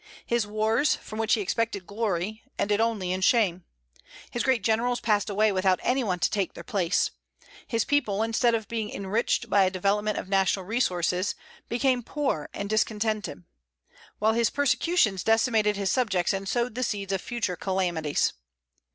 His wars, from which he expected glory, ended only in shame; his great generals passed away without any to take their place; his people, instead of being enriched by a development of national resources, became poor and discontented; while his persecutions decimated his subjects and sowed the seeds of future calamities.